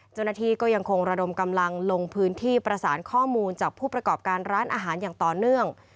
เจ้าหน้าที่ก็ยังคงระดมกำลังลงพื้นที่ประสานข้อมูลจากผู้ประกอบการร้านอาหารอย่างต่อเนื่อง